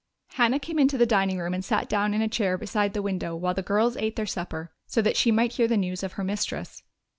Hannah came into the dining room and sat down in a chair beside the window while the girls ate their supper, so that she might hear the news of her mistress.